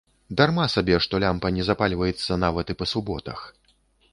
Дарма сабе што лямпа не запальваецца нават і па суботах.